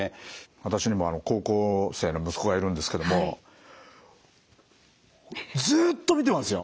私にも高校生の息子がいるんですけどもずっと見てますよ！